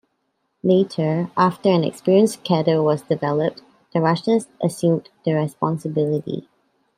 Later, after an experienced cadre was developed, the Russians assumed the responsibility.